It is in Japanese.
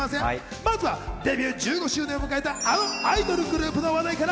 まずはデビュー１５周年を迎えたあのアイドルグループの話題から。